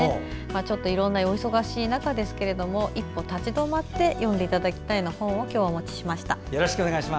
いろんなお忙しい中ですけど一歩立ち止まって読んでいただきたいような本を今日はお持ちしました。